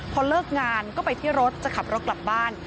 พอเลิกงานก็ไปที่รถจะขับรถกลับบ้าน